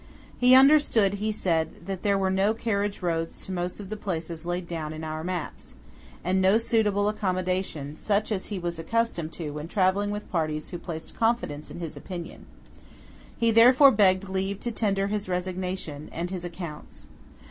He understood, he said, that there were no carriage roads to most of the places laid down in our maps, and "no suitable accommodation such as he was accustomed to when travelling with parties who placed confidence in his opinion;" he therefore begged leave to tender his resignation, and his accounts.